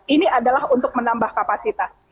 ini adalah untuk menambah kapasitas